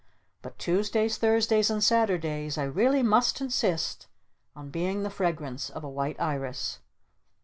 But Tuesdays, Thursdays and Saturdays I really must insist on being the fragrance of a White Iris!"